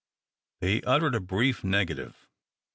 They uttered a brief negative.